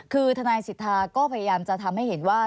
คือทำไหลศิษฐาก็พยายามทำให้เห็นว่า